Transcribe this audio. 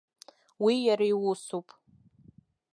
Уи иара иусуп.